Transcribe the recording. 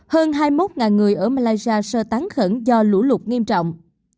hơn hai mươi một người ở malaysia sơ tán khẩn do lũ lụt nghiêm trọng